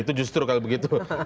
itu justru kalau begitu